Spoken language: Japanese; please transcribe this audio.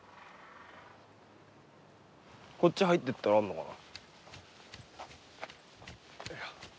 こっち入ってったらあんのかな？